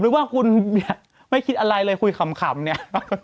ผมนึกว่าคุณอย่าก็ไม่คิดอะไรเลยคุยคำนี่